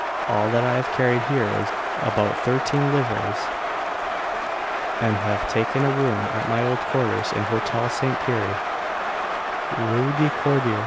All that I have carried here is about 13 livres, and have taken a room at my old quarters in Hotel St. Pierre, Rue de Cordier.